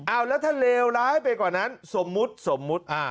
เอาแล้วถ้าเลวร้ายไปกว่านั้นสมมุติสมมุติ